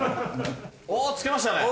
おっ着けましたね。